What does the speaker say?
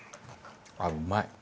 あっうまい。